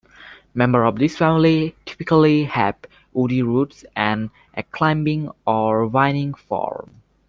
Members of this family typically have woody roots and a climbing or vining form.